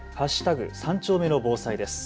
３丁目の防災です。